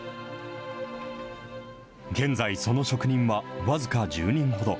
現在、その職人は僅か１０人ほど。